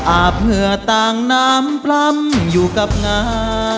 อาบเหงื่อต่างน้ำปล้ำอยู่กับงา